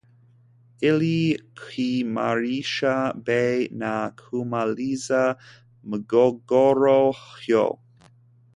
ili kuimarisha bei na kumaliza mgogoro huo